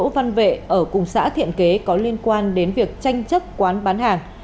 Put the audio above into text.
đỗ văn vệ ở cùng xã thiện kế có liên quan đến việc tranh chấp quán bán hàng